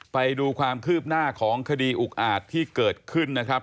ไปดูความคืบหน้าของคดีอุกอาจที่เกิดขึ้นนะครับ